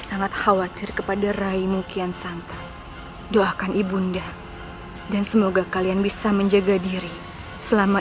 sangat khawatir kepada raimu kian santa doakan ibunda dan semoga kalian bisa menjaga diri selama